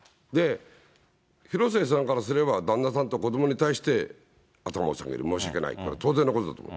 広末さんからすれば、旦那さんと子どもに対して、頭を下げる、申し訳ないと、これは当然のことだと思う。